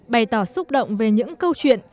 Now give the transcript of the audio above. bày tỏ xúc động về những câu chuyện